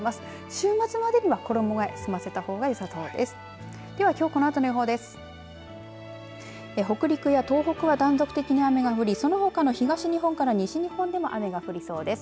週末までには衣がえ済ませたほうがよさそうです。